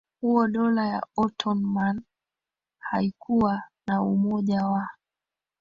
huo Dola ya Ottoman haikuwa na umoja wa